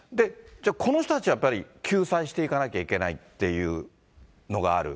この人たちをやっぱり救済していかなきゃいけないっていうのがある。